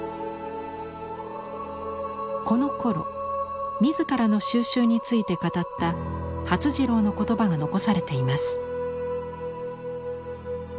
このころ自らの蒐集について語った發次郎の言葉が残されています。